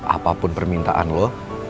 apapun permintaan lo